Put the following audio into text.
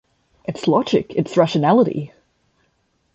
It's logic; it's rationality.